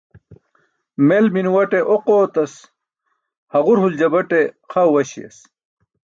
Mel minuwaṭe oq ootas, haġur huljabaṭe xa uwaśiyas.